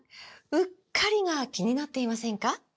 “うっかり”が気になっていませんか？